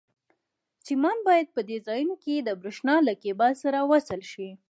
سیمان باید په دې ځایونو کې د برېښنا له کېبل سره وصل شي.